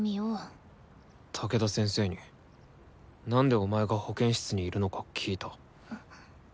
武田先生になんでお前が保健室にいるのか聞いた。